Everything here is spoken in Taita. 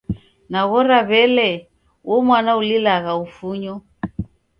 Naghora w'elee, uo mwana ulilagha ufunyo.